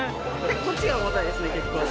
こっちが重たいですね、結構。